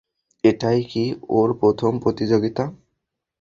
এটাই কি ওর প্রথম প্রতিযোগিতা?